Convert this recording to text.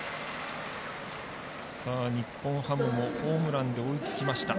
日本ハムもホームランで追いつきました。